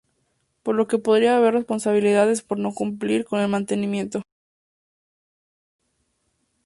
por lo que podría haber responsabilidades por no cumplir con el mantenimiento